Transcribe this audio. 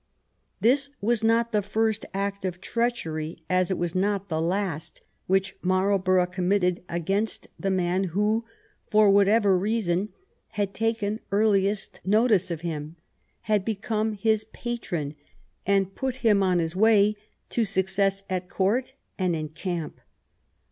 This was not the first act of treachery, as it was not the last, which Marl borough committed against the man who, for whatever reason, had taken earliest notice of him, had become his patron, and put him on his way to success at court and in camp.